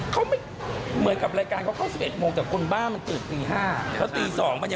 เขาไม่เกิดเหมือนกับรายการเขาเกิด๑๑โมงแต่คนบ้างมันจึงตี๕นะ